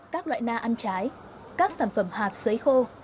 các loại na ăn trái các sản phẩm hạt xấy khô